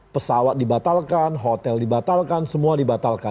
pesawat dibatalkan hotel dibatalkan semua dibatalkan